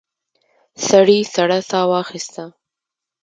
سړي سړه ساه واخیسته.